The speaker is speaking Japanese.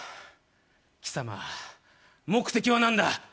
貴様、目的は何だ？